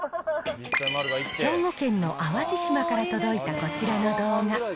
兵庫県の淡路島から届いたこちらの動画。